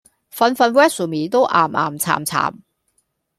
份份 resume 都岩岩巉巉